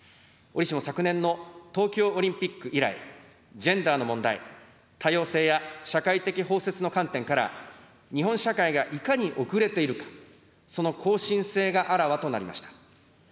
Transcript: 折しも昨年の東京オリンピック以来、ジェンダーの問題、多様性や社会的包摂の観点から、日本社会がいかに遅れているか、その後進性があらわとなりました。